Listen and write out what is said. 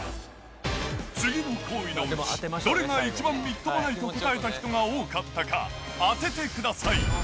次の行為のうち、どれが一番みっともないと答えた人が多かったか当ててください。